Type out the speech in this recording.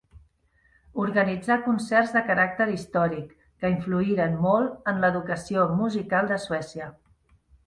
Organitzà concerts de caràcter històric, que influïren molt en l'educació musical de Suècia.